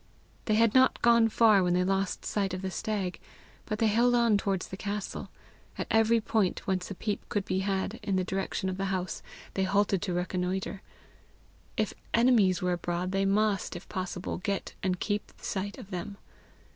They had not gone far when they lost sight of the stag, but they held on towards the castle. At every point whence a peep could be had in the direction of the house, they halted to reconnoitre: if enemies were abroad, they must, if possible, get and keep sight of them.